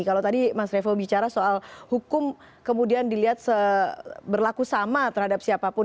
kalau tadi mas revo bicara soal hukum kemudian dilihat berlaku sama terhadap siapapun